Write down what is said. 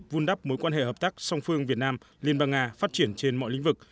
vun đắp mối quan hệ hợp tác song phương việt nam liên bang nga phát triển trên mọi lĩnh vực